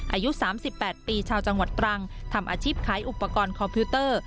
อายุ๓๘ปีชาวจังหวัดตรังทำอาชีพขายอุปกรณ์คอมพิวเตอร์